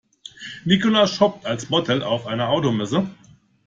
Nicola jobbt als Model auf einer Automesse.